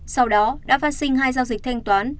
sau đó đã phát sinh hai giao dịch thanh toán